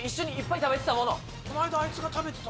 この間あいつが食べてた？